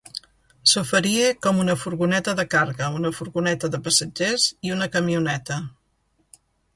S'oferia com una furgoneta de càrrega, una furgoneta de passatgers i una camioneta.